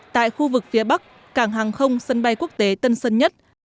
tại khu vực phía bắc cảng hàng không sân bay quốc tế tân sơn nhất